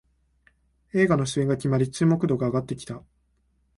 映画の主演が決まり注目度が上がってきた